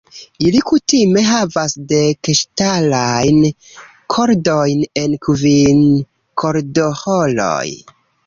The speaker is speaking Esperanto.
Ili kutime havas dek ŝtalajn kordojn en kvin kordoĥoroj.